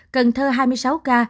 cần thơ hai mươi sáu ca